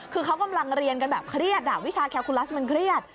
คือเขากำลังเรียนกันแบบเครียดวิชาแคคูลัสมันเครียด